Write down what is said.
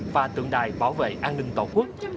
và tượng đài bảo vệ an ninh tổ quốc